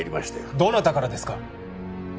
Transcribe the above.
どなたからですか？